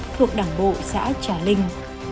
thuộc đảng bộ xã trà linh